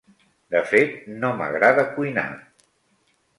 De fet, no m'agrada cuinar.